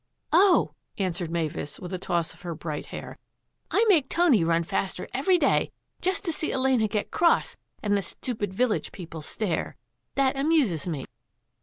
" Oh," answered Mavis, with a toss of her bright hair, " I make Tony run faster every day, just to see Elena get cross and the stupid village people stare. That amuses me."